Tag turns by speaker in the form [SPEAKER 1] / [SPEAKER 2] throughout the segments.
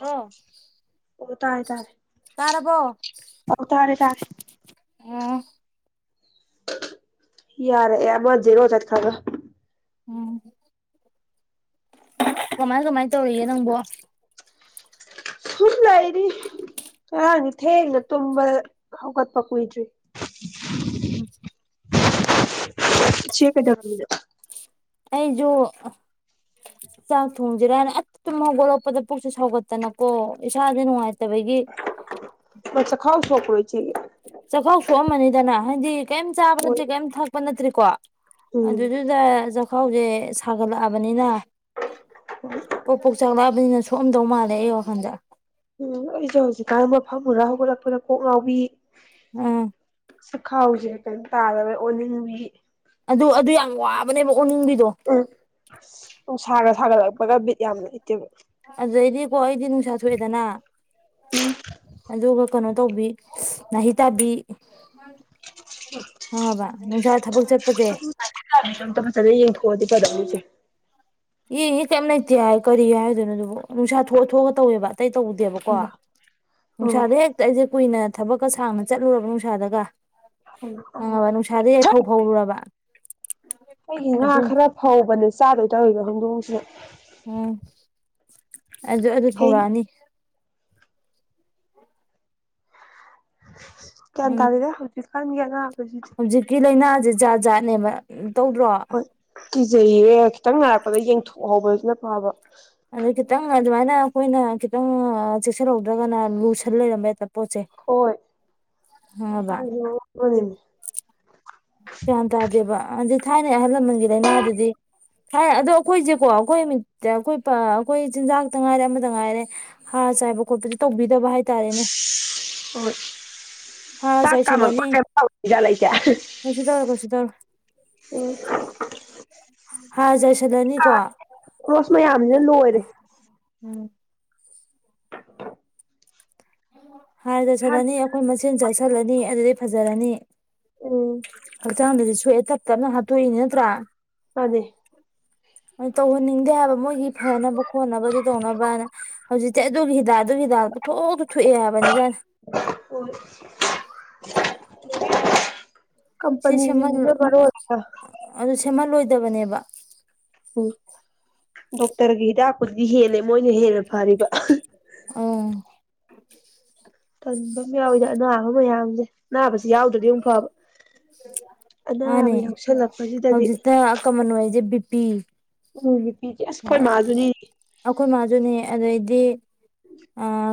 [SPEAKER 1] ꯔꯣ
[SPEAKER 2] ꯑꯣ ꯇꯥꯔꯦ ꯇꯥꯔꯦ
[SPEAKER 1] ꯇꯔꯕꯣ
[SPEAKER 2] ꯑꯣ ꯇꯥꯔꯦ ꯇꯥꯔꯦ
[SPEAKER 1] ꯎ
[SPEAKER 2] ꯌꯥꯔꯦ ꯌꯥ ꯃꯖ ꯔꯣꯖ ꯈꯔ
[SPEAKER 1] ꯎꯝ ꯀꯃꯥꯏ ꯀꯃꯥꯏꯅ ꯇꯧꯔꯤꯒꯦ ꯅꯪꯕꯣ
[SPEAKER 2] ꯂꯏꯗꯤ ꯉꯔꯥꯡꯅꯤ ꯊꯦꯡꯅ ꯇꯨꯝꯕ ꯍꯧꯒꯠꯄ ꯀꯨꯏꯗ꯭ꯔꯤ
[SPEAKER 1] ꯎꯝ
[SPEAKER 2] ꯆꯦ ꯀꯦꯝ
[SPEAKER 1] ꯑꯩꯁꯨ ꯆꯥꯛ ꯊꯣꯡꯁꯤꯔꯥꯅ ꯑꯨꯝꯒꯠꯂꯛꯄꯗ ꯄꯨꯛꯁꯦ ꯁꯥꯎꯒꯠꯇꯅꯀꯣ ꯏꯁꯥꯥꯁꯦ ꯅꯨꯡꯉꯥꯏꯇ
[SPEAKER 2] ꯑꯆꯥ ꯈꯥꯎ ꯁꯣ ꯋꯥꯄꯔꯣꯏ ꯁꯤ
[SPEAKER 1] ꯆꯥꯛꯈꯥꯎ ꯁꯣꯛꯑꯝꯃꯅꯤꯗꯅ ꯍꯥꯏꯗꯤ ꯀꯩꯝ ꯆꯥꯕ
[SPEAKER 2] ꯍꯣꯏ
[SPEAKER 1] ꯅꯠꯇ꯭ꯔꯦ ꯀꯩꯝ ꯊꯛꯄ ꯅꯠꯇ꯭ꯔꯦ ꯀꯋꯥ ꯑꯗꯨ
[SPEAKER 2] ꯎꯝ
[SPEAKER 1] ꯑꯗꯨꯗꯨꯗ ꯆꯈꯥꯎꯁꯦ ꯁꯥꯒꯠꯂꯛꯑꯕꯅꯤꯅ ꯄꯣꯄꯨ ꯆꯥꯡꯗꯕꯅꯤ ꯁꯣꯝꯗꯧ ꯃꯥꯜꯂꯦ ꯑꯩ ꯋꯥꯈꯟꯗ
[SPEAKER 2] ꯎꯝ ꯑꯩꯁꯦ ꯍꯧꯖꯤꯛꯀꯥꯟ ꯃꯐꯝ ꯈꯔ ꯍꯧꯒꯠꯂꯛꯄꯗ ꯀꯣꯛ ꯉꯥꯎꯕꯤ
[SPEAKER 1] ꯎꯝ
[SPEAKER 2] ꯁꯤ ꯈꯥꯎꯖꯦ ꯀꯩꯝ ꯇꯥꯗꯔꯦ ꯑꯣꯅꯤꯡꯕꯤ
[SPEAKER 1] ꯑꯗꯨ ꯑꯗꯨ ꯌꯥꯝ ꯋꯥꯕꯅꯦꯕ ꯑꯣꯅꯤꯡꯕꯤꯗꯣ
[SPEAKER 2] ꯎꯝ ꯑꯣ ꯁꯔ ꯊꯥꯒꯠꯂꯛꯄꯒ ꯕꯤꯠ ꯌꯥꯝ ꯂꯩ
[SPEAKER 1] ꯑꯗꯨꯩꯗꯤꯀꯣ ꯑꯩꯗꯤ ꯅꯨꯡꯁꯥ ꯁ ꯊꯣꯛꯑꯦꯗꯅ ꯑꯗꯨꯒ ꯀꯩꯅꯣ ꯇꯧꯕꯤ ꯃꯍꯅꯥꯤ ꯇꯥꯕꯤ ꯍꯕꯥ [unintelligible]
[SPEAKER 2] ꯁꯝ ꯃ ꯆꯗ ꯌꯦꯡ ꯈꯗꯥꯁꯦ
[SPEAKER 1] ꯑꯦꯅꯦ ꯀꯔꯤꯝ ꯂꯩꯇꯦ ꯍꯥꯏ ꯀꯔꯤ ꯍꯥꯏꯗꯣꯏꯅꯣ ꯑꯗꯨꯕꯨ ꯅꯨꯡꯁꯥ ꯊꯣꯛꯑ ꯊꯣꯛꯑ ꯇꯧꯋꯦꯕ ꯑꯇꯩ ꯇꯧꯗꯦꯕꯀꯣ
[SPEAKER 2] ꯊꯝꯕ ꯎꯝ
[SPEAKER 1] ꯅꯨꯡꯁꯥꯗ ꯍꯦꯛꯇ ꯑꯩꯁꯦ ꯀꯨꯏꯅ ꯊꯕꯛꯀ ꯁꯥꯡꯅ ꯆꯠꯂꯨꯔꯕ ꯅꯨꯡꯁꯥꯗꯒ
[SPEAKER 2] ꯊꯝꯃꯣ ꯊꯝꯃꯣ
[SPEAKER 1] ꯍꯪꯉꯕ ꯅꯨꯡꯁꯥꯗꯒꯤꯩ
[SPEAKER 2] ꯁꯠ
[SPEAKER 1] ꯌꯥꯏꯐꯧ ꯐꯥꯎꯔꯨꯔꯕ
[SPEAKER 2] ꯑꯩꯒꯤ ꯉꯥ ꯈꯔ ꯐꯧꯕꯅꯦ ꯆꯥꯗꯣꯏ ꯇꯧꯗ ꯈꯨꯗꯣꯡꯁꯦ
[SPEAKER 1] ꯎꯝ [unintelligible] ꯑꯗꯨ ꯑꯗꯨ
[SPEAKER 2] ꯍꯦ
[SPEAKER 1] ꯍꯧꯔꯛꯑꯅꯤ
[SPEAKER 2] [unintelligible] ꯀꯌꯥ
[SPEAKER 1] ꯎꯝ
[SPEAKER 2] ꯇꯥꯅꯤꯗ ꯍꯧꯖꯤ ꯈꯥꯟꯒꯅ
[SPEAKER 1] ꯍꯧꯖꯤꯛꯀꯤ ꯂꯥꯏꯅꯥꯁꯤ ꯥꯖꯥꯅꯦꯃ ꯎꯝ ꯇꯧꯗ꯭ꯔꯣ
[SPEAKER 2] ꯍꯣꯏ ꯀꯤꯖꯩꯌꯦ ꯈꯤꯇꯪ ꯅꯥꯔꯛꯄꯗ ꯌꯦꯡꯊꯣꯛꯍꯧꯕꯁꯤꯅ ꯐꯕ
[SPEAKER 1] ꯑꯗꯨꯗ ꯀꯈꯤꯇꯪ ꯑꯗꯨꯃꯥꯏꯅ ꯑꯩꯈꯣꯏꯅ ꯈꯤꯇꯪ ꯆꯦꯛꯁꯤꯜꯍꯧꯗ꯭ꯔꯒꯅ ꯂꯨꯁꯟ ꯂꯩꯔꯝꯕ ꯄꯣꯠꯁꯦ
[SPEAKER 2] ꯍꯣꯏ ꯏ ꯀꯒꯤꯅꯤ
[SPEAKER 1] ꯆꯥꯟ ꯇꯗꯦꯕ ꯊꯥꯏꯅꯩ ꯑꯍꯜ ꯂꯃꯟꯒꯤ ꯂꯥꯏꯅꯥꯗꯨꯗꯤ ꯊꯥꯏ ꯑꯗꯣ ꯑꯩꯈꯣꯏꯁꯦꯀꯣ ꯑꯩꯈꯣꯏ ꯅꯨꯃꯤꯠꯇ ꯑꯩꯈꯣꯏ ꯑꯩꯈꯣꯏ ꯆꯤꯟꯖꯥꯛꯇ ꯉꯥꯏꯔꯦ ꯑꯃꯗ ꯉꯥꯏꯔꯦ ꯍꯥꯔ ꯆꯥꯏꯕ ꯈꯣꯠꯄꯗꯤ ꯇꯧꯕꯤ
[SPEAKER 2] ꯍꯣꯏ
[SPEAKER 1] ꯍꯥꯔ
[SPEAKER 2] ꯆꯥꯛ ꯀꯥꯃꯛꯄ
[SPEAKER 1] ꯆꯥꯏꯁꯜꯂꯅꯤ
[SPEAKER 2] ꯀꯩꯖꯥꯠ ꯂꯩꯀꯦ
[SPEAKER 1] ꯀꯩꯁꯨ ꯇꯧꯔꯣ ꯀꯩꯁꯨ ꯇꯧꯔꯦ
[SPEAKER 2] ꯎꯝ
[SPEAKER 1] ꯍꯥꯔ ꯆꯥꯏꯁꯤꯜꯂꯅꯤꯀꯣ
[SPEAKER 2] ꯀ꯭ꯔꯣꯁ ꯃꯌꯥꯝꯁꯤꯅ ꯂꯣꯏꯔꯦ
[SPEAKER 1] ꯎꯝ
[SPEAKER 2] [inaudible]
[SPEAKER 1] ꯎꯝ ꯍꯥꯔ
[SPEAKER 2] ꯍꯥꯟ
[SPEAKER 1] ꯆꯠꯁꯤꯜꯂꯅꯤ ꯑꯩꯈꯣꯏ ꯃꯆꯦꯟ ꯆꯠꯁꯤꯜꯂꯅꯤ ꯑꯗꯨꯗꯒꯤ ꯐꯖꯔꯅꯤ
[SPEAKER 2] ꯎꯝ
[SPEAKER 1] ꯑ ꯆꯥꯗ ꯁꯌꯦ ꯊ ꯇꯛꯇꯦꯅ ꯍꯥ ꯇꯏ ꯅꯠꯇ꯭ꯔꯥ
[SPEAKER 2] ꯃꯥꯅꯦ
[SPEAKER 1] ꯑ ꯇꯧꯍꯟꯅꯤꯡꯗꯦ ꯍꯥꯏꯕ ꯃꯣꯏꯒꯤ ꯐꯅꯕ ꯈꯣꯠꯅꯕꯗꯨ ꯇꯧꯅꯕꯅ ꯍꯧꯖꯤꯛ ꯆꯠ ꯑꯗꯨ ꯍꯈꯤꯤꯗꯥ ꯗ ꯄꯊꯣ ꯊꯨꯏ ꯌꯥꯕꯅꯤꯗꯅ
[SPEAKER 2] [inaudible] ꯀꯝꯄꯅꯤ
[SPEAKER 1] ꯁꯦꯝꯍꯜ
[SPEAKER 2] ꯔ
[SPEAKER 1] ꯇꯕꯅꯦꯕ
[SPEAKER 2] ꯎꯝ ꯗꯣꯛꯇꯔꯒꯤ ꯍꯤꯗꯥꯛꯄꯨꯗꯨꯗꯤ ꯍꯦꯜꯂꯦ ꯃꯣꯏꯅ ꯍꯦꯜꯂꯕ ꯐꯔꯔꯤꯕ
[SPEAKER 1] ꯑꯗꯨ
[SPEAKER 2] ꯀꯟꯕ ꯌꯥꯎꯋꯏꯗ ꯑꯅꯥꯕ ꯃꯌꯥꯝꯁꯦ [inaudible] ꯌꯥꯎꯗ꯭ꯔꯗꯤ ꯑꯃꯨꯛ ꯐꯕ ꯑꯅꯥꯕ
[SPEAKER 1] ꯃꯥꯅꯦ
[SPEAKER 2] ꯌꯥꯎꯁꯜꯂꯛꯄꯁꯤꯗꯗꯤ
[SPEAKER 1] ꯍꯧꯖꯤꯛꯇ ꯀꯃꯟ ꯑꯣꯏꯔꯤꯁꯦ ꯕꯤ ꯄꯤ
[SPEAKER 2] ꯎꯝꯕꯤ ꯄꯤ ꯀꯁ ꯀꯣꯏ ꯃꯥꯖꯅꯤ
[SPEAKER 1] ꯑꯩꯈꯣꯏ ꯃꯥꯁꯨꯅꯦ ꯑꯗꯩꯗꯤ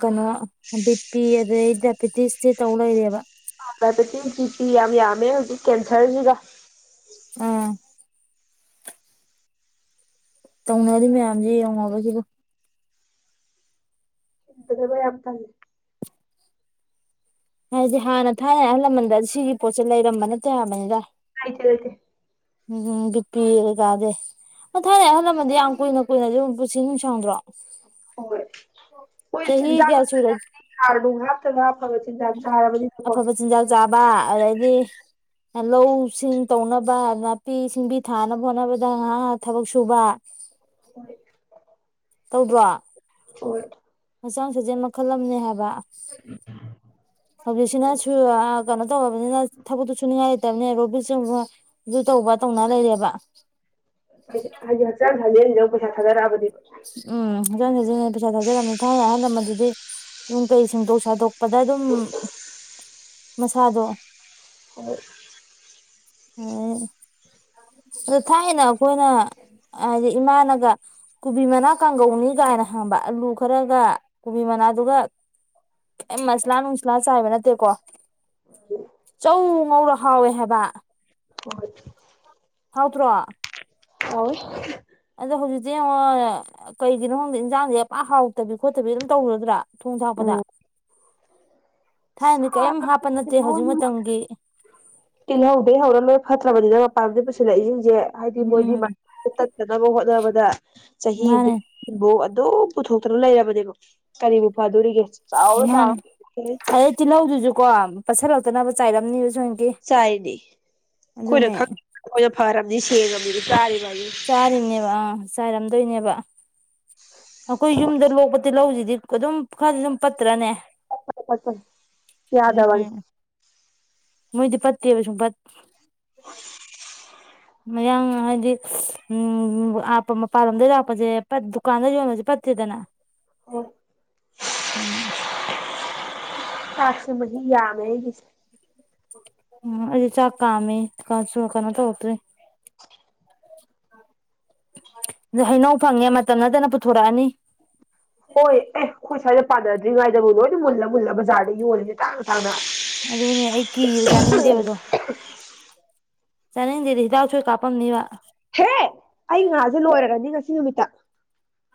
[SPEAKER 1] ꯀꯩꯅꯣ ꯕꯤꯄꯤ ꯑꯗꯩ ꯗꯥꯏꯕꯤꯦꯇꯤꯁꯇꯤ ꯇꯧ ꯂꯩꯔꯦꯕ
[SPEAKER 2] ꯑꯗꯆꯤ ꯆꯤꯇꯤ ꯌꯥꯝ ꯌꯥꯝꯃꯦ ꯍꯧꯖꯤꯛ ꯀꯦꯟꯁꯔꯁꯤꯒ
[SPEAKER 1] ꯑꯥ ꯇꯧꯅꯔꯗꯤ ꯃꯌꯥꯝꯁꯦ ꯌꯦꯡꯉꯅꯕꯒꯤꯕꯨ
[SPEAKER 2] ꯑꯗꯨꯕ ꯍꯥꯇꯥꯦ
[SPEAKER 1] ꯍꯥꯏꯗꯤ ꯍꯥꯟꯅ ꯊꯥꯏꯅ ꯑꯍꯜ ꯂꯃꯟꯗ ꯁꯤꯒꯤ ꯄꯣꯠꯁꯦ ꯂꯩꯔꯝꯕ ꯅꯠꯇꯦ ꯌꯥꯕꯅꯤꯗ
[SPEAKER 2] ꯀꯥꯏ ꯆꯂꯦ
[SPEAKER 1] ꯎꯝꯝ ꯕꯤꯄꯤ ꯀꯀꯥꯗꯦ ꯑ ꯊꯥꯏꯅꯩ ꯑꯍꯜ ꯂꯃꯟꯗꯤ ꯌꯥꯝ ꯀꯨꯏꯅ ꯀꯨꯏꯅꯗꯤ ꯑꯗꯨ ꯄꯨꯁꯤ ꯅꯨꯡꯁꯪꯗ꯭ꯔꯣ
[SPEAKER 2] ꯍꯣꯏ ꯍꯣꯏ
[SPEAKER 1] ꯆꯍꯤ
[SPEAKER 2] ꯆꯤꯟꯖꯥꯛ
[SPEAKER 1] ꯀꯌꯥ ꯁꯨꯔꯦ
[SPEAKER 2] ꯍꯥꯔꯗꯨ ꯉꯇꯒ ꯑꯐꯕ ꯆꯤꯟꯖꯥꯛ ꯆꯥꯔꯕꯅꯤꯅꯀꯣ
[SPEAKER 1] ꯑꯐꯕ ꯂꯧꯁꯤꯡ ꯇꯧꯅꯕꯅ ꯅꯥꯄꯤ ꯁꯤꯡꯕꯤ ꯊꯥꯅꯕ ꯍꯣꯠꯅꯕꯗ ꯉꯥꯏꯍꯥꯛ ꯊꯕꯛ ꯁꯨꯕ
[SPEAKER 2] ꯍꯣꯏ
[SPEAKER 1] ꯇꯧꯗ꯭ꯔꯣ
[SPEAKER 2] ꯍ
[SPEAKER 1] ꯍꯛꯆꯥꯡ ꯁꯥꯖꯦꯜ ꯃꯈꯜ ꯑꯃꯅꯦ ꯍꯥꯏꯕ ꯑ ꯁꯤ ꯅꯁꯨ ꯕꯅꯤꯅ ꯊꯕꯛꯛꯇꯁꯨꯨꯅꯤꯡꯉꯥꯏ ꯔꯣ
[SPEAKER 2] ꯍꯥꯏ ꯍꯥꯆ ꯅ ꯄꯆꯠ ꯍꯔꯥꯕꯗꯤ
[SPEAKER 1] ꯎꯝ ꯍꯖ ꯍꯖꯤ ꯄꯩꯁꯥ ꯊꯥꯖꯔꯂꯝꯅꯤ ꯊꯥꯏꯅ ꯑꯍꯜ ꯂꯃꯗꯨꯗꯤ ꯌꯨꯝ ꯀꯩ ꯁꯦꯡꯗꯣꯛ ꯁꯥꯗꯣꯛ ꯑꯗ ꯑꯗꯨꯝ ꯃꯁꯥꯗꯣ
[SPEAKER 2] ꯑꯣ
[SPEAKER 1] ꯑ ꯑꯗꯣ ꯊꯥꯏꯅ ꯑꯩꯈꯣꯏꯅ ꯍꯥꯏꯗꯤ ꯏꯃꯥꯅꯒ ꯀꯣꯕꯤ ꯃꯅꯥ ꯀꯥꯡꯒꯧꯅꯤ ꯀꯥꯏꯅ ꯍꯪꯕ ꯑꯂꯨ ꯈꯔꯒ ꯀꯣꯕꯤ ꯃꯅꯥꯗꯨꯒ ꯀ ꯃꯁꯂꯥ ꯅꯨꯡꯁꯂꯥ ꯆꯥꯏꯕ ꯅꯠꯇꯦꯀꯣ ꯆꯧ ꯉꯧꯔ ꯍꯥꯎꯋꯦ ꯍꯥꯏꯕ
[SPEAKER 2] ꯍꯣꯏ
[SPEAKER 1] ꯍꯥꯎꯗ꯭ꯔꯣ
[SPEAKER 2] ꯑ
[SPEAKER 1] ꯑꯗꯣ ꯍꯧꯖꯤꯛꯇꯤ ꯌꯦꯡꯉꯣ ꯀꯩꯒꯤꯅꯣ ꯈꯪꯗ ꯏꯟꯖꯥꯡꯁ ꯌꯥꯝꯄꯥ ꯍꯥꯎꯇꯕꯤ ꯈꯣꯠꯇꯕꯤ ꯑꯗꯨꯝ ꯇꯧꯔꯗ꯭ꯔꯥ ꯊꯣꯡ ꯊꯥꯛꯄꯗ
[SPEAKER 2] ꯌꯥꯎꯋꯦ
[SPEAKER 1] ꯊꯥꯏꯅꯗꯤ ꯀꯔꯤꯝ ꯍꯥ ꯅꯠꯇꯦ ꯍꯧꯖꯤꯛ ꯃꯇꯝꯒꯤ
[SPEAKER 2] ꯇꯤꯜꯍꯧꯗꯩ ꯍꯧꯔꯒ ꯂꯣꯏ ꯐꯠꯇ꯭ꯔꯕꯅꯤꯅ ꯃꯄꯥꯕꯗꯤ ꯄꯨꯁꯤꯜꯂꯛꯏꯁꯤꯡꯁꯦ ꯍꯥꯏꯗꯤ ꯃꯣꯏꯗꯤ
[SPEAKER 1] ꯎꯝ
[SPEAKER 2] ꯇꯅꯕ ꯍꯣꯠꯅꯕꯗ
[SPEAKER 1] ꯃꯥꯅꯦ
[SPEAKER 2] ꯆꯍꯤꯐꯥꯎ ꯑꯗꯨ ꯄꯨꯊꯣꯛꯇꯅ ꯂꯩꯔꯕꯅꯦꯕ ꯀꯔꯤꯕꯨ ꯐꯗꯣ
[SPEAKER 1] ꯌꯥꯅꯤ ꯑꯗꯩ ꯇꯤꯜꯍꯧꯗꯨꯁꯨ ꯀꯣ ꯄꯠꯁꯠ ꯂꯧꯇꯅꯕ ꯆꯥꯏꯔꯝꯅꯤ
[SPEAKER 2] ꯆꯥꯏꯅꯦ ꯑꯩꯣꯏꯅ
[SPEAKER 1] ꯑꯗꯨꯅꯦ
[SPEAKER 2] ꯈꯪ ꯑꯩꯣꯏꯅ ꯐꯔꯝ ꯦ ꯀꯃꯤꯔꯤ ꯄꯥ
[SPEAKER 1] ꯆꯔꯤꯝꯅꯦꯕ ꯑ ꯆꯥꯏꯔꯝꯗꯣꯏꯅꯦꯕ ꯑꯩꯈꯣꯏ ꯌꯨꯝꯗ ꯂꯣꯛꯄꯇ ꯂꯧꯁꯤꯗꯤ ꯑꯗꯨꯝ ꯈꯔꯗꯤ ꯑꯗꯨꯝ ꯄꯠꯇ꯭ꯔꯅꯦ
[SPEAKER 2] ꯐꯠꯇꯦ ꯌꯥꯗ ꯑꯋꯥꯅꯤ
[SPEAKER 1] ꯎꯝ ꯃꯣꯏꯗꯤ ꯄꯠꯇꯦꯕ ꯁꯨꯝ ꯃꯌꯥꯝꯡ ꯍꯥꯏꯗꯤ ꯎꯝꯄ ꯃꯄꯥꯟ ꯂꯝꯗꯒꯤꯩ ꯂꯥꯛꯞꯄꯁꯦ ꯗꯨꯀꯥꯟꯗ ꯌꯣꯟꯕꯁꯦ ꯐꯠꯇꯦꯗꯅ
[SPEAKER 2] ꯍꯣꯏ
[SPEAKER 1] ꯎꯝ
[SPEAKER 2] ꯆꯥꯛꯁꯦ ꯃꯍ ꯌꯥꯝꯃꯦꯒꯤꯁꯦ
[SPEAKER 1] ꯎꯝ ꯑꯩꯗꯤ ꯆꯥꯛ ꯀꯥꯝꯃꯦ ꯀꯩꯅꯣ ꯇꯧꯔꯛꯇ꯭ꯔꯔꯤ ꯑ ꯍꯩꯅꯧ ꯐꯪꯉꯦ ꯃꯇꯝ ꯅꯠꯇꯅ ꯄꯨꯊꯣꯔꯛꯑꯅꯤ
[SPEAKER 2] ꯍꯣꯏ ꯑꯦ ꯍꯣꯏꯁꯥꯏꯗ ꯄꯥꯟꯅꯗ꯭ꯔꯤꯉꯩꯗꯕꯨ ꯂꯣꯏ ꯃꯨꯜꯂ ꯃꯨꯜꯂ ꯕꯖꯥꯔ ꯌꯣꯜꯂꯤꯁꯦ ꯇꯥꯡꯅ ꯇꯥꯡꯅ
[SPEAKER 1] ꯑꯗꯨꯅꯦ ꯑꯩ ꯀꯤꯕ ꯆꯥꯅꯤꯡꯗꯦꯕꯗꯣ ꯆꯅꯤꯡꯗꯗꯤ ꯍꯤꯗꯥꯛꯁꯨꯣꯏ ꯀꯥꯄꯝꯅꯤꯕ
[SPEAKER 2] ꯍꯦ ꯑꯩ ꯉꯥꯁꯦ ꯂꯣꯏꯔꯔꯅꯤ ꯉꯁꯤ ꯅꯨꯃꯤꯠꯇ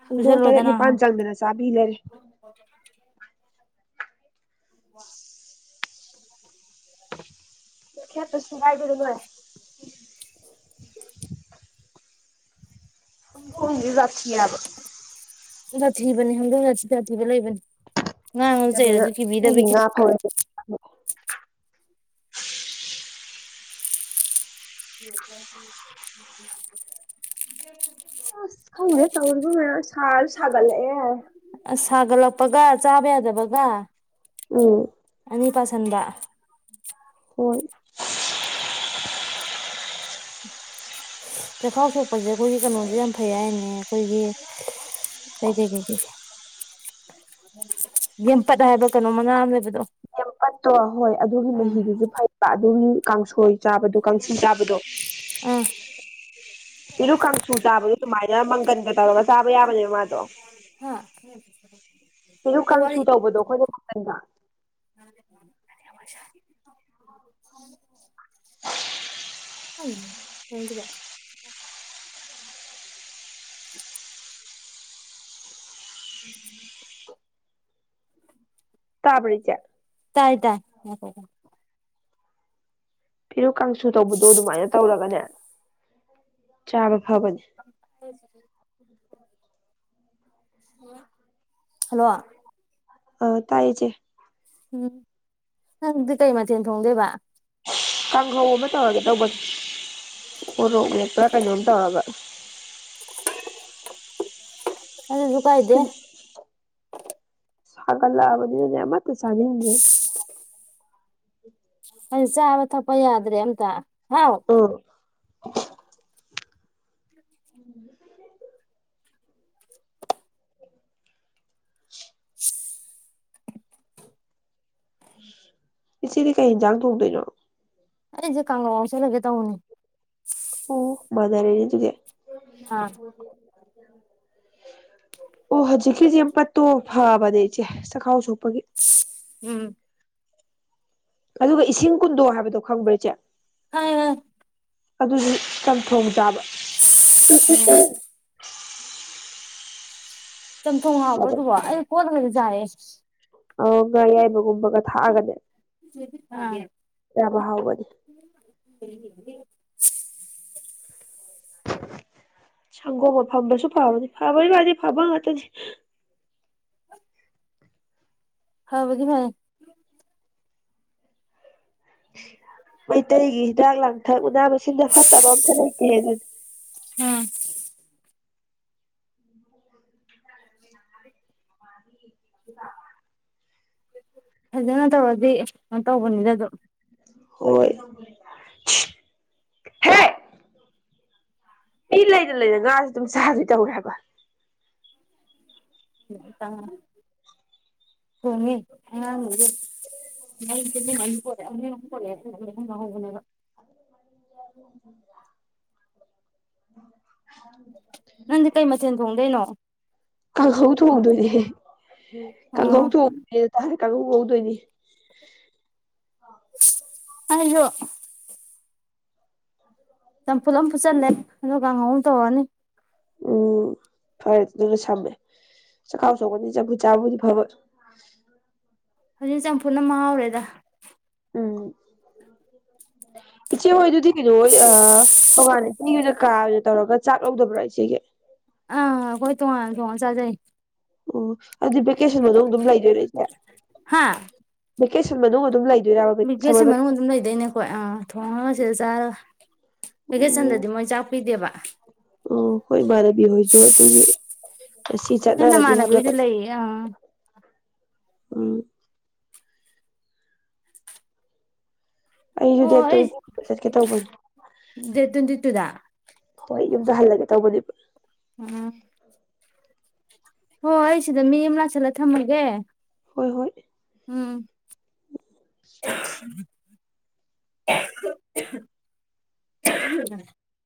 [SPEAKER 2] ꯍꯧꯗꯣꯡ ꯇꯔꯦꯠ
[SPEAKER 1] ꯄꯨꯁꯜꯂꯣꯗꯅ
[SPEAKER 2] ꯅꯤꯄꯥꯜ ꯆꯪꯗꯅ ꯆꯥꯕꯤ ꯂꯩꯔꯦ
[SPEAKER 1] ꯋꯥ
[SPEAKER 2] ꯌꯥ ꯇ ꯉꯥꯏꯗꯉꯦ [unintelligible] ꯍ ꯁꯥꯊꯤ ꯌꯥꯕ
[SPEAKER 1] ꯊꯤꯕꯅꯦ ꯍꯪꯗꯁꯤ ꯁꯥꯊꯤꯕ ꯂꯩꯕꯅꯤ ꯉꯥꯡꯉꯁꯨ
[SPEAKER 2] ꯅꯨꯡꯁꯤꯗꯕꯅ
[SPEAKER 1] ꯆꯩꯔꯁꯨ ꯀꯤꯕꯤꯗꯕꯤ
[SPEAKER 2] ꯃꯤꯒꯤ ꯉꯥ ꯐ ꯑꯣꯏ
[SPEAKER 1] [unintelligible]
[SPEAKER 2] ꯑ ꯈꯪꯉꯅꯦꯦ ꯇꯧꯔꯒ ꯃ ꯀꯥꯔ ꯁꯥꯒꯜ
[SPEAKER 1] ꯑꯁ ꯁꯥꯒꯠꯂꯛꯄꯒ ꯆꯥꯕ ꯌꯥꯗꯕꯒ
[SPEAKER 2] ꯎꯝ
[SPEAKER 1] ꯅꯤ ꯄꯁꯗ
[SPEAKER 2] ꯍꯣꯏ
[SPEAKER 1] ꯆꯈꯥꯎ ꯁꯣꯛꯄꯁꯦ ꯑꯩꯈꯣꯏꯒꯤ ꯀꯩꯅꯣꯁꯦ ꯌꯥꯝ ꯐꯩ ꯍꯥꯏꯅꯦ ꯑꯩꯈꯣꯏꯒꯤ ꯀꯩ ꯀꯩ ꯀꯩꯩ ꯌꯦꯦꯝꯄꯠ ꯍꯥꯏꯕ ꯀꯩꯅꯣ ꯃꯅꯥ ꯑꯃ ꯂꯩꯕꯗꯣ
[SPEAKER 2] ꯄꯠꯇ꯭ꯔꯣ ꯍꯣꯏ ꯑꯗꯨꯒꯤ
[SPEAKER 1] ꯎꯝ
[SPEAKER 2] ꯃꯍꯤꯗꯨꯁꯨ ꯐꯩꯕ ꯑꯗꯨꯒꯤ ꯀꯥꯡꯁꯣꯏ ꯆꯥꯕꯗꯣ ꯀꯥꯡꯁꯨ ꯆꯥꯕꯗꯣ
[SPEAKER 1] ꯑꯥ
[SPEAKER 2] ꯏꯩꯅꯣ ꯀꯥꯡꯁꯨ ꯆꯥꯕꯗꯣ ꯑꯗꯨꯃꯥꯏꯅ ꯃꯪꯒꯟꯒ ꯇꯧꯔꯒ ꯆꯥꯕ ꯌꯥꯕꯅꯦꯕ ꯃꯥꯗꯣ
[SPEAKER 1] ꯊꯦ ꯁꯔ
[SPEAKER 2] ꯁꯤꯁꯨ ꯀꯥꯡꯁꯨ ꯇꯧꯕꯗꯣ ꯑꯩꯈꯣꯏꯅ ꯃꯇꯝꯄꯟꯗ
[SPEAKER 1] [unintelligible] ꯎꯝ ꯀꯀ
[SPEAKER 2] ꯇꯥꯕꯤꯔ ꯆꯦ
[SPEAKER 1] ꯇꯥꯏ ꯇꯥꯏ
[SPEAKER 2] ꯐꯔ ꯀꯥꯡꯁꯨ ꯇꯧꯕꯗꯣ ꯑꯗꯨꯃꯥꯏꯅ ꯇꯧꯔꯒꯅꯦ ꯆꯥꯒ
[SPEAKER 1] ꯍꯥꯏꯔꯤ ꯍꯜꯂꯣ
[SPEAKER 2] ꯑ ꯇꯌꯦꯆꯦ
[SPEAKER 1] ꯎꯝ ꯍꯪꯗꯤ ꯀꯩ ꯃꯊꯅ ꯊꯣꯡꯗꯦꯕ
[SPEAKER 2] ꯀꯥꯡꯍꯧꯕ ꯑꯃ ꯇꯧꯔꯒ ꯇꯧꯕꯅꯤ ꯃꯣꯔꯣꯛ ꯃꯦꯠꯄꯔꯥ ꯀꯩꯅꯣꯝ ꯇꯧꯔꯒꯥ
[SPEAKER 1] ꯑꯗꯨꯁꯨ ꯀꯥꯏꯗꯦ
[SPEAKER 2] [unintelligible] ꯁꯒꯠ ꯂꯕꯅꯤꯅꯦ ꯃ ꯆꯥꯅꯤꯡꯗꯔ꯭ꯦ [inaudible]
[SPEAKER 1] ꯑꯩ ꯆꯥꯕ ꯊꯛꯄ ꯌꯥꯗ꯭ꯔꯦ ꯑꯝꯇ ꯍꯥꯎ
[SPEAKER 2] ꯑꯥ [unintelligible] ꯏꯆꯦꯗꯤ ꯀꯩꯖꯥꯥꯡ ꯊꯣꯪꯗꯣꯏꯅꯣ?
[SPEAKER 1] ꯑꯩꯁꯦ ꯀꯥꯡ ꯍꯧ ꯉꯧꯁꯤꯜꯂꯥꯒꯦ ꯇꯧꯅꯦ ꯫
[SPEAKER 2] ꯑꯣ ꯃꯅꯔꯦꯅꯦ ꯗꯨꯗꯤ꯫
[SPEAKER 1] ꯑꯥ꯫
[SPEAKER 2] ꯑꯣ ꯍꯧꯖꯤꯛꯀꯤꯁ ꯌꯥꯝ ꯄꯠꯇꯣ ꯐꯕꯅꯦ ꯏꯆꯦ ꯆꯈꯥꯎ ꯁꯣꯛꯄꯒꯤ꯫
[SPEAKER 1] ꯎꯝ꯫
[SPEAKER 2] ꯑꯗꯨꯒ ꯏꯁꯤꯡ ꯀꯨꯟꯗꯣ ꯍꯥꯏꯕꯗꯣ ꯈꯪꯕ꯭ꯔ ꯏꯆꯦ?
[SPEAKER 1] ꯈꯥꯪ ꯉꯦ ꯈꯥꯪ ꯉꯦ ꯫
[SPEAKER 2] ꯑꯗꯨꯁꯨ ꯆꯝꯊꯣꯡ ꯆꯥꯕ
[SPEAKER 1] ꯈꯪꯉꯦ
[SPEAKER 2] [unintelligible]
[SPEAKER 1] ꯆꯝꯊꯣꯡ ꯍꯥꯎꯕꯔꯣ ꯑꯗꯨꯕꯨ [unintelligible] [unintelligible]
[SPEAKER 2] ꯑꯣ ꯉꯥ ꯑꯌꯥꯏꯕ ꯒꯨꯝ ꯕꯒ ꯊꯥꯛꯑꯒꯅꯦ
[SPEAKER 1] ꯑꯥ
[SPEAKER 2] ꯌꯥꯝꯅꯥ ꯍꯥꯎꯕꯅꯤ꯫
[SPEAKER 1] [inaudible]
[SPEAKER 2] ꯁꯪꯒꯣꯝ ꯑꯐꯝꯕꯁꯨ ꯐꯕꯅꯤ ꯐꯥꯕꯒꯤ ꯋꯥꯗꯤ ꯐꯥꯕ ꯉꯥꯛꯇꯅꯤ꯫
[SPEAKER 1] ꯐꯕꯗꯤ ꯐꯩ꯫
[SPEAKER 2] ꯃꯩꯇꯩꯒꯤ ꯍꯤꯗꯥꯛ ꯂꯥꯡꯊꯛ ꯎꯅꯥ ꯃꯁꯤꯡꯗ ꯐꯠꯇꯕ ꯑꯝꯇ ꯂꯩꯇꯦ ꯑꯗꯨꯗꯤ꯫
[SPEAKER 1] ꯎꯝ꯫ [inaudible]
[SPEAKER 2] [unintelligible]
[SPEAKER 1] ꯐꯖꯅ ꯇꯧꯔꯗꯤ ꯇꯧꯕꯅꯤꯗ ꯑꯗꯨꯝ
[SPEAKER 2] ꯍꯣꯏ ꯍꯦ ꯑꯩ ꯂꯩꯅ - ꯂꯩꯅ ꯉꯥꯥꯁꯦ ꯑꯗꯨꯝ ꯆꯗꯣꯏ ꯇꯧꯔꯦ ꯍꯥꯏꯕ꯫
[SPEAKER 1] [unintelligible]
[SPEAKER 2] [inaudible]
[SPEAKER 1] ꯅꯪꯗꯤ ꯀꯩ ꯃꯊꯦꯟ ꯊꯣꯡꯗꯣꯏꯅꯣ?
[SPEAKER 2] ꯀꯥꯡꯍꯧ ꯊꯣꯡꯗꯣꯏꯅꯦ ꯀꯥꯡꯍꯧ
[SPEAKER 1] ꯑꯣ
[SPEAKER 2] ꯊꯣꯡ ꯀꯥꯡꯉꯨ ꯉꯧꯗꯣꯏꯅꯤ꯫
[SPEAKER 1] ꯑꯩꯖꯨ ꯆꯝꯐꯨꯠ ꯑꯃ ꯐꯨꯆꯜꯂꯦ ꯑꯗꯣ ꯀꯥꯡꯍꯧ ꯇꯧꯔꯅꯤ꯫
[SPEAKER 2] ꯎꯝ ꯐꯔꯦ ꯑꯗꯨꯅ ꯁꯝꯃꯦ ꯆꯈꯥꯎ ꯁꯣꯛꯀꯅꯤ ꯆꯐꯨ ꯆꯥꯕꯨꯗꯤ ꯐꯕ
[SPEAKER 1] ꯍꯧꯖꯤꯛ ꯆꯝꯐꯨꯅ ꯃꯍ ꯍꯥꯎꯔꯦꯗ
[SPEAKER 2] ꯎꯝ ꯏꯆꯦ ꯍꯣꯏꯗꯨꯗꯤ ꯀꯩꯅꯣ ꯇꯣꯉꯥꯟꯅ ꯏꯆꯦꯒꯤ ꯑꯣꯏꯅ ꯀꯥ ꯑꯣꯏꯅ ꯇꯧꯔꯒ ꯆꯥꯛ ꯂꯧꯗꯕ꯭ꯔꯥ ꯏꯆꯦꯒꯤ
[SPEAKER 1] ꯑꯥ ꯀꯣꯏ ꯊꯨ ꯋꯥ ꯊꯋꯥ ꯆꯖꯏ
[SPEAKER 2] ꯑꯣ ꯑꯗꯨꯗꯤ ꯚꯦꯀꯦꯁꯟꯗ ꯑꯗꯨꯝ ꯂꯩꯗꯣꯏꯔꯁꯦ ꯚꯦꯀꯦꯁꯟ ꯃꯅꯨꯡ ꯑꯗꯨꯝ ꯂꯩ
[SPEAKER 1] ꯕꯤꯒꯦꯠꯁꯦ ꯃꯅꯨꯡꯗ ꯑꯗꯨꯝ ꯂꯩꯗꯣꯏꯅꯦꯀꯣ ꯑ ꯊꯣꯡꯉꯒ ꯆꯔ ꯚꯦꯀꯦꯁꯟꯗꯗꯤ
[SPEAKER 2] ꯑꯣ
[SPEAKER 1] ꯃꯣꯏ ꯆꯥꯛ ꯄꯤꯗꯦꯕ
[SPEAKER 2] ꯑꯣ ꯍꯣꯏ ꯏꯃꯥꯟꯅꯕꯤ ꯍꯣꯏꯁꯨ ꯑꯗꯨꯒꯤ ꯉꯁꯤ
[SPEAKER 1] ꯍꯅ
[SPEAKER 2] ꯆꯠꯅꯔꯅꯤ ꯍꯥꯏꯕ꯭ꯔꯥ
[SPEAKER 1] ꯃꯥꯅꯕꯤꯗꯨ ꯂꯩꯌꯦ ꯑ
[SPEAKER 2] ꯑ ꯑꯩꯁꯨ
[SPEAKER 1] ꯍꯣ
[SPEAKER 2] ꯗꯦꯠ
[SPEAKER 1] ꯑꯩ
[SPEAKER 2] ꯇ꯭ꯋꯦꯟꯇꯤ ꯆꯠꯀꯦ ꯇꯧꯕꯅꯦ
[SPEAKER 1] ꯗꯦꯠ ꯇ꯭ꯋꯦꯟꯇꯤ ꯇꯨꯗ
[SPEAKER 2] ꯍ ꯑꯩ ꯌꯨꯝꯗ ꯍꯜꯂꯒꯦ ꯇꯧꯕꯗꯤꯕꯨ
[SPEAKER 1] ꯎꯝ ꯍ ꯍꯥꯏꯁꯤꯗ ꯃꯤ ꯆꯂ ꯊꯝꯦ
[SPEAKER 2] ꯍꯣꯏ ꯍꯣꯏ
[SPEAKER 1] ꯎꯝ